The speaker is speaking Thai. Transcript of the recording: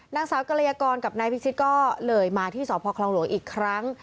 นางสาวกรยากรกับนายพิชิตก็เลยมาที่สพคลองหลวงอีกครั้ง